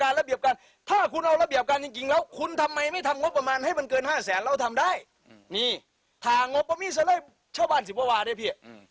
นี่ทางงบประมีเสร็จชาวบ้านสิบว่าวาได้พี่